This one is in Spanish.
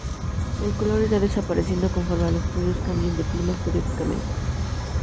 El color irá desapareciendo conforme los pollos cambien de plumas periódicamente.